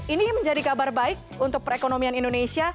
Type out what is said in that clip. ini menjadi kabar baik untuk perekonomian indonesia